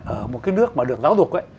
ở một cái nước mà được giáo dục ấy